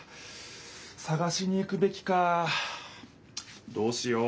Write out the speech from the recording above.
さがしに行くべきかどうしよう。